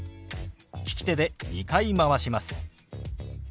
利き手で２回回します。